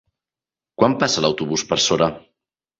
Quan passa l'autobús per Sora?